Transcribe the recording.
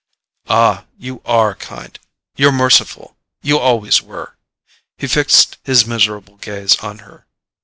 "Ah, you ARE kind—you're merciful—you always were!" He fixed his miserable gaze on her.